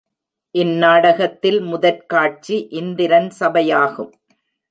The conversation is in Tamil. இந்நாடகத்தில் முதற் காட்சி இந்திரன் சபையாகும்.